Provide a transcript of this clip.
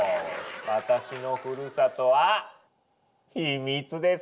私のふるさとは秘密です！